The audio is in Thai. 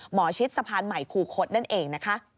หมอชิดสะพานใหม่ครูโคตรนั่นเอง